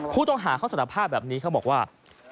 ผู้ต้องหาเขาสารภาพแบบนี้เขาบอกว่า